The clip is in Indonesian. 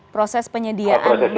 proses penyediaan mesin deteksi itu